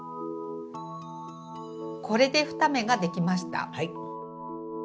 これで２目ができました。